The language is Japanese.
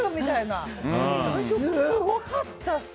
すごかったです。